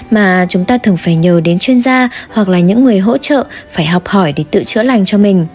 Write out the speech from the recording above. mà chúng ta thường phải nhờ đến chuyên gia hoặc là những người hỗ trợ phải học hỏi để tự chữa lành cho mình